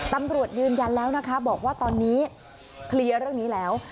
ตำรวจยืนยันแล้วนะคะบอกว่าตอนนี้เคลียร์เรื่องนี้แล้ว